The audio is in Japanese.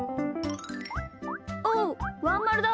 おっワンまるだ。